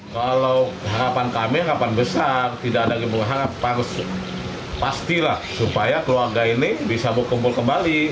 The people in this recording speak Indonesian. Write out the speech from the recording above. kalau harapan kami harapan besar tidak ada ilmu harapan harus pastilah supaya keluarga ini bisa berkumpul kembali